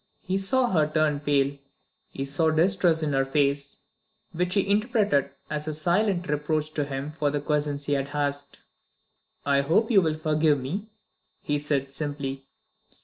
He saw her turn pale; he saw distress in her face, which he interpreted as a silent reproach to him for the questions he had asked. "I hope you will forgive me?" he said simply.